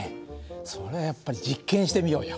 それはやっぱり実験してみようよ。